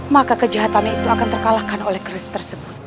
maka kejahatannya itu akan terkalahkan oleh keris tersebut